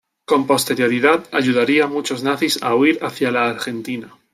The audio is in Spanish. Con posterioridad ayudaría a muchos nazis a huir hacia la Argentina.